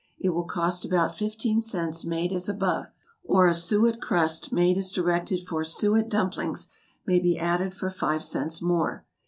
It will cost about fifteen cents made as above; or a suet crust, made as directed for SUET DUMPLINGS, may be added for five cents more.